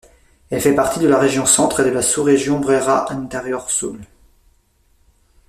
Elle fait partie de la région Centre et de la sous-région Beira Interior Sul.